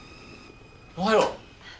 おはよう。